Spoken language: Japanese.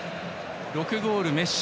６ゴール、メッシ。